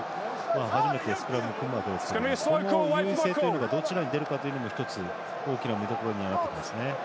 初めてスクラムを組むわけですけど優勢というのがどちらに出るかというのも１つ、大きな見どころになってますね。